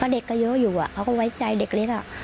เด็กก็เยอะอยู่เขาก็ไว้ใจเด็กเล็ก